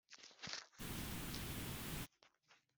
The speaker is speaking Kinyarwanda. Nkota y’umugara, nyamukemba abo isanze.